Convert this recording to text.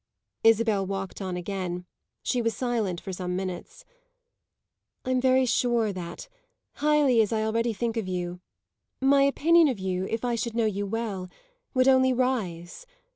Isabel walked on again; she was silent for some minutes. "I'm very sure that, highly as I already think of you, my opinion of you, if I should know you well, would only rise.